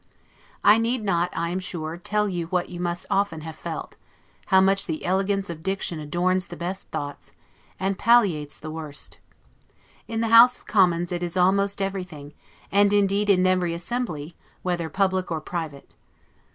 I need not, I am sure, tell you what you must often have felt, how much the elegance of diction adorns the best thoughts, and palliates the worst. In the House of Commons it is almost everything; and, indeed, in every assembly, whether public or private.